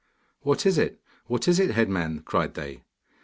'What is it? What is it, head man?' cried they.